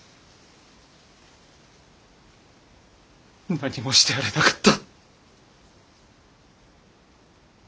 何もしてやれなかった。